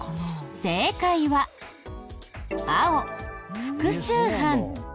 正解は青複数犯。